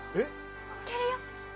いけるよ！